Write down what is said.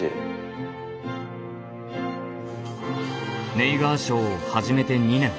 ネイガーショーを始めて２年。